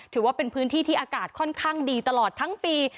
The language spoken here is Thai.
ถือว่าเป็นพื้นที่ที่อากาศค่อนข้างดีตลอดทั้งปี